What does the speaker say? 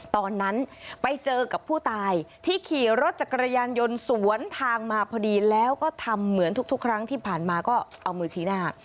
ตอนนั้นไปเจอกับผู้ตายที่ขี่รถจักรยานยนต์สวนทางมาพอดีแล้วก็ทำเหมือนทุกครั้งที่ผ่านมาก็เอามือชี้หน้า